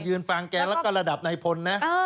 ยืนฟังแกแล้วก็ระดับในพลนะ